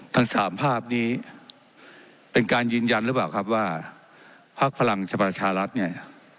ทั้งสามภาพนี้เป็นการยืนยันหรือเปล่าครับว่าพักพลังประชารัฐเนี่ย